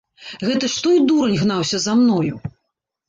Гэта ж той дурань гнаўся за мною!